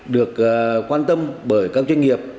được quan tâm bởi các doanh nghiệp